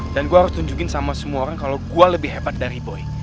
gue harus tunjukin sama semua orang kalau gue lebih hebat dari boy